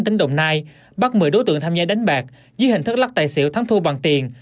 tỉnh đồng nai bắt một mươi đối tượng tham gia đánh bạc dưới hình thất lắc tại xỉu thám thu bằng tiền